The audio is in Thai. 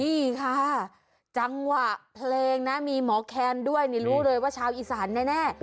นี่ค่ะจังหวะเพลงนะมีหมอแคนด้วยนี่รู้เลยว่าชาวอีสานแน่